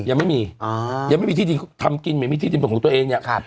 ยังไม่มีอ่ายังไม่มีที่ดินทำกินไม่มีที่ดินเป็นของตัวเองเนี่ย